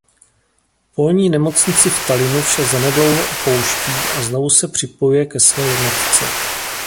Polní nemocnici v Tallinnu však zanedlouho opouští a znovu se připojuje ke své jednotce.